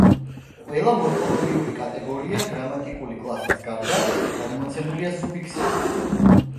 ყველა მორფოლოგიური კატეგორია, გრამატიკული კლასის გარდა, გადმოცემულია სუფიქსებით.